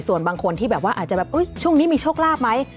ส่วนบางคนที่อาจจะแบบช่วงนี้มีโชคราบไหม